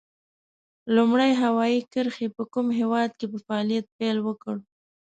لومړنۍ هوایي کرښې په کوم هېواد کې په فعالیت پیل وکړ؟